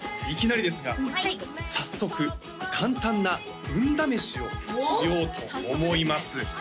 いきなりですが早速簡単な運試しをしようと思います